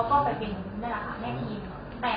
ค่ะอยากฟาดฟั่งลองคำว่าแอดมินท์ให้